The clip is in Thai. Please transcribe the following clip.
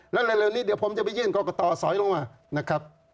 แล้วเร็วนี้เดี๋ยวผมจะไปยื่นกรกตสอยลงมานะครับ